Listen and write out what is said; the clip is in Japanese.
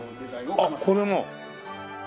あっこれも？